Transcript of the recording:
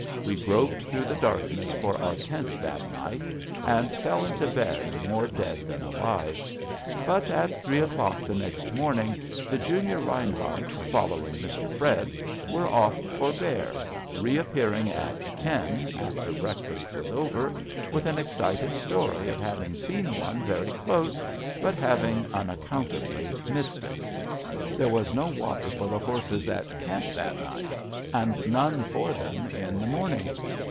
We groped through the darkness for our tents that night and fell into bed more dead than alive. But at three o'clock the next morning, the junior Rineharts, following Mr. Fred, were off for bear, reappearing at ten, after breakfast was over, with an excited story of having seen one very close but having unaccountably missed it. There was no water for the horses at camp that night, and none for them in the morning.